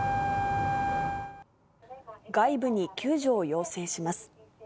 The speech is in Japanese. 外部に救助を要請します。